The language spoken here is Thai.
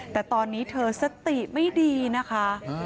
แต่ตอนนี้เธอสติไม่ดีนะคะ